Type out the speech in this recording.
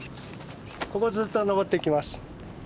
ここずっと登っていきます。